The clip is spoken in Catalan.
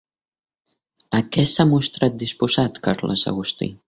A què s'ha mostrat disposat Carles Agustí?